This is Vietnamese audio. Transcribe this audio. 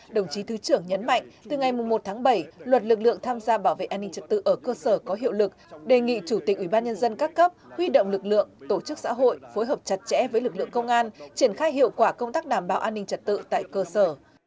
đồng chí thứ trưởng nhấn mạnh từ ngày một tháng bảy luật lực lượng tham gia bảo vệ an ninh trật tự ở cơ sở có hiệu lực đề nghị chủ tịch ubnd các cấp huy động lực lượng tổ chức xã hội phối hợp chặt chẽ với lực lượng công an triển khai hiệu quả công tác đảm bảo an ninh trật tự tại cơ sở